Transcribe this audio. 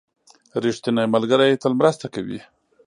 • ریښتینی ملګری تل مرسته کوي.